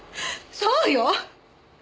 そうよ！